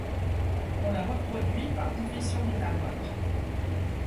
On la reproduit par division de la motte.